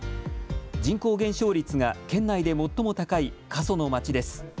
人口減少率が県内で最も高い過疎の町です。